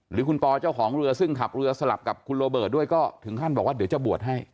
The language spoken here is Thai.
หรือคุณปอเจ้าของเรือซึ่งขับเรือสลับกับคุณโรเบิร์ตด้วยก็ถึงขั้นบอกว่าเดี๋ยวจะบวชให้